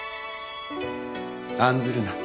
案ずるな。